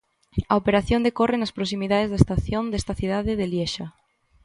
A operación decorre nas proximidades da estación desta cidade de Liexa.